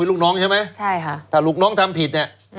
เป็นลูกน้องใช่ไหมถ้าลูกน้องทำผิด